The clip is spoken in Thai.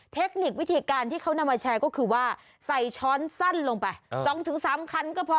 เทคนิควิธีการที่เขานำมาแชร์ก็คือว่าใส่ช้อนสั้นลงไป๒๓คันก็พอ